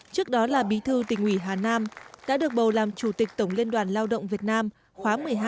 trước đó là bí thư tỉnh ủy hà nam đã được bầu làm chủ tịch tổng liên đoàn lao động việt nam khóa một mươi hai